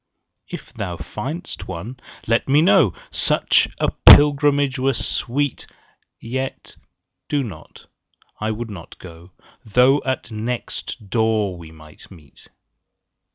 If thou find'st one, let me know; Such a pilgrimage were sweet. 20 Yet do not; I would not go, Though at next door we might meet.